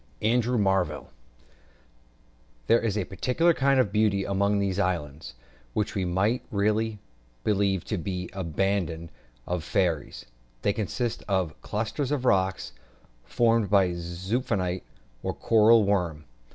ANDREW MARVELL. There is a peculiar kind of beauty among these islands, which we might really believe to be the abode of fairies. They consist of a cluster of rocks, formed by the zoophyte, or coral worm.